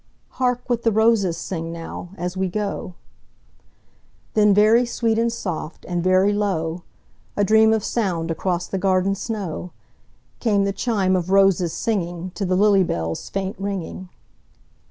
"Hark what the roses sing now, as we go;"Then very sweet and soft, and very low,—A dream of sound across the garden snow,—Came the chime of roses singingTo the lily bell's faint ringing.